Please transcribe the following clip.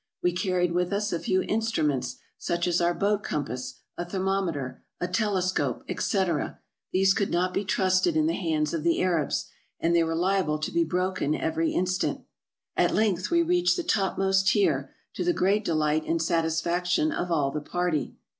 We carried with us a few instruments, such as our boat compass, a thermometer, a telescope, etc. ; these could not be trusted in the hands of the Arabs, and they were liable to be broken every instant. At length we reached the topmost tier, to the great delight and satisfaction of all the party.